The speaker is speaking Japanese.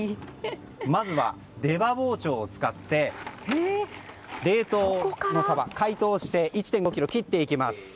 まずは、出刃包丁を使って冷凍のサバを解凍して１．５ｋｇに切っていきます。